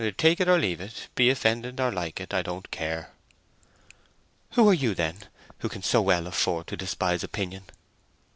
Take it or leave it—be offended or like it—I don't care." "Who are you, then, who can so well afford to despise opinion?"